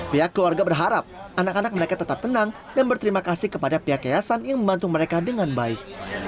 pihak keluarga berharap anak anak mereka tetap tenang dan berterima kasih kepada pihak yayasan yang membantu mereka dengan baik